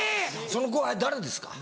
その後輩誰ですか？